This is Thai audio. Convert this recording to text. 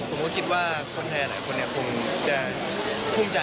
ผมก็คิดว่าคนไทยหลายคนคงจะภูมิใจ